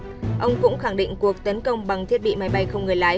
ngoại trưởng iran cũng khẳng định cuộc tấn công bằng thiết bị máy bay không người lái